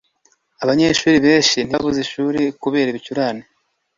Abanyeshuri benshi ntibabuze ishuri kubera ibicurane